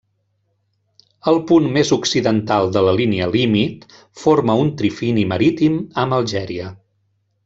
El punt més occidental de la línia límit forma un trifini marítim amb Algèria.